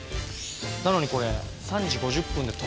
なのにこれ３時５０分で止まってる。